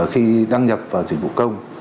khi đăng nhập vào dịch vụ công